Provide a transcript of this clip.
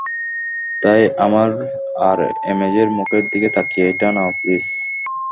তাই আমার আর এমজের মুখের দিকে তাকিয়ে এটা নাও, প্লিজ।